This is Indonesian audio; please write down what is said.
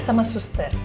sama sus ter